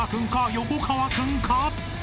横川君か？］